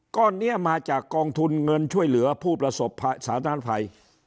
ก้อนนี้มาจากกองทุนเงินช่วยเหลือผู้ประสบสาธารณภัย